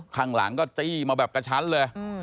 ข้างหลังก็จี้มาแบบกระชั้นเลย